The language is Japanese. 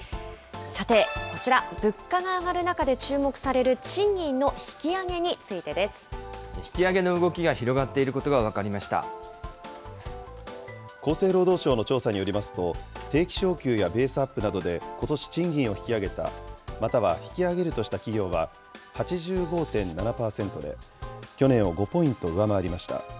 さて、こちら、物価が上がる中で注目される、賃金の引き上げ引き上げの動きが広がってい厚生労働省の調査によりますと、定期昇給やベースアップなどで、ことし賃金を引き上げた、または引き上げるとした企業は８５．７％で、去年を５ポイント上回りました。